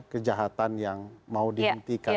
kejahatan yang mau dihentikan